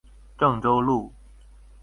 鄭州路